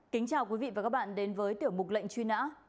kính chào quý vị và các bạn đến với tiểu mục lệnh truy nã